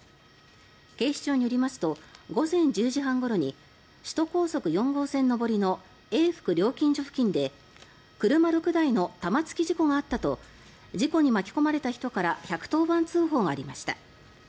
警視庁によりますと午前１０時半ごろに首都高速４号線上りの永福料金所付近で車６台の玉突き事故があったと事故に巻き込まれた人から１１０番通報がありました。